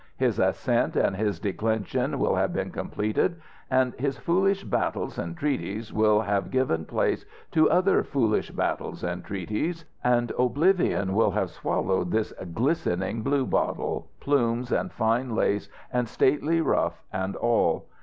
His ascent and his declension will have been completed, and his foolish battles and treaties will have given place to other foolish battles and treaties and oblivion will have swallowed this glistening bluebottle, plumes and fine lace and stately ruff and all.